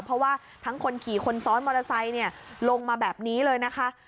เพราะว่าทั้งคนขี่คนซ้อนมอเตอร์ไซค์ลงมาแบบนี้เลยนะคะ